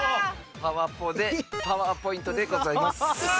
パワポでパワーポイントでございます。